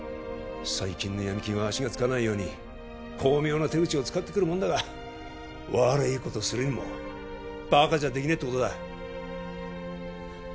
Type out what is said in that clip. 最近のヤミ金は足がつかないように巧妙な手口を使ってくるもんだが悪いことするにもバカじゃできねえってことだ